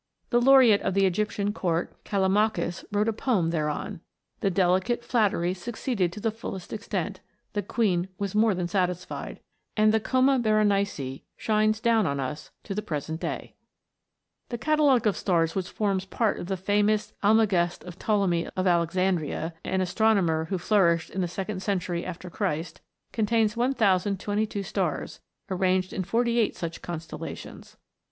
The laureate of the Egyptian court, Callimachus, wrote a poem thereon. The "delicate" flattery succeeded to the fullest extent; the queen was more than satisfied, and the Coma Berenices shines down on us to the present day ! The catalogue of stars which forms part of the famous Almagest of Ptolemy of Alexandria,* an astronomer who flourished in the second century after Christ, contains 1022 stars, arranged in forty eight such constellations.